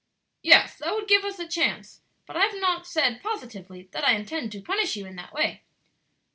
"Yes, that would give us a chance; but I have not said positively that I intend to punish you in that way."